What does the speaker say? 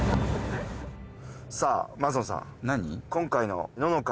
さあ升野さん何？